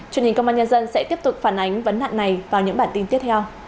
truyền hình công an nhân dân sẽ tiếp tục phản ánh vấn nạn này vào những bản tin tiếp theo